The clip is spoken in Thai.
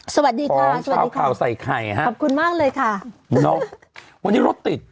สวัสดีค่ะช่วงเช้าข่าวใส่ไข่ฮะขอบคุณมากเลยค่ะเนาะวันนี้รถติด